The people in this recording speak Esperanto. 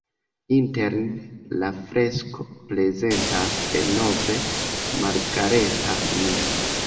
Interne la fresko prezentas denove Margareta-n.